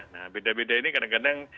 nah beda beda ini kadang kadang